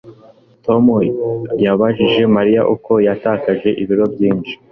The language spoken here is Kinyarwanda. Tom yabajije Mariya uko yatakaje ibiro byinshi